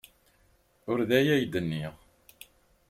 Ur d aya ay d-nniɣ.